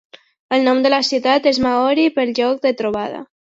El nom de la ciutat és maori per "lloc de trobada".